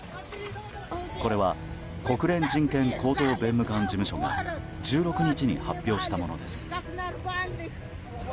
これは国連人権高等弁務官事務所が１６日に発表したものです。